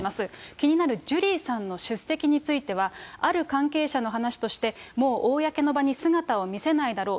気になるジュリーさんの出席については、ある関係者の話として、もう公の場に姿を見せないだろう。